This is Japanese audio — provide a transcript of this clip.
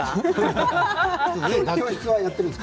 教室をやっているんですか。